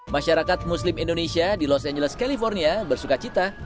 masyarakat muslim indonesia di los angeles california bersuka cita